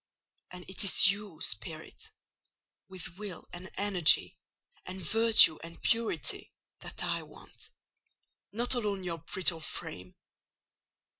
And it is you, spirit—with will and energy, and virtue and purity—that I want: not alone your brittle frame.